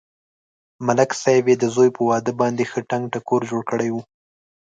ملک صاحب یې د زوی په واده باندې ښه ټنگ ټکور جوړ کړی و.